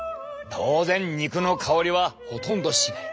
当然肉の香りはほとんどしない。